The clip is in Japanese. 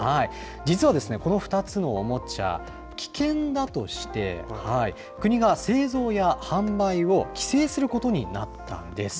実はですね、この２つのおもちゃ、危険だとして、国が製造や販売を規制することになったんです。